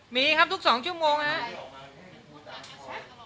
มีครับทุก๒ชั่วโมงนะครับ